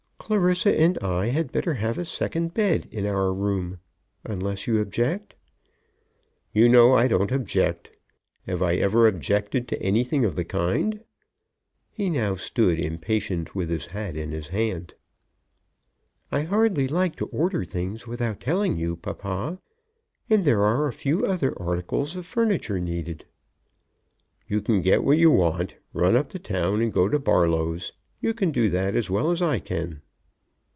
"Clarissa and I had better have a second bed in our room, unless you object." "You know I don't object. Have I ever objected to anything of the kind?" He now stood impatient, with his hat in his hand. "I hardly like to order things without telling you, papa. And there are a few other articles of furniture needed." "You can get what you want. Run up to town and go to Barlow's. You can do that as well as I can."